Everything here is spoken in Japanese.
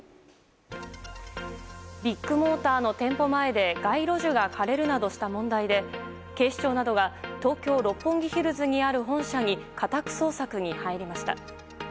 ビッグモーターの店舗前で街路樹が枯れるなどした問題で警視庁などが東京・六本木ヒルズにある本社に家宅捜索に入りました。